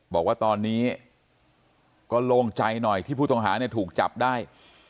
บอกว่าตอนนี้ก็โล่งใจหน่อยที่ผู้ต้องหาเนี่ยถูกจับได้